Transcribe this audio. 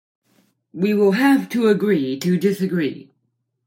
We will have to agree to disagree